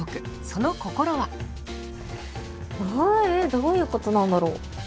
どういうことなんだろう。